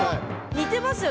似てますよ